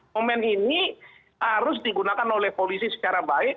momen ini harus digunakan oleh polisi secara baik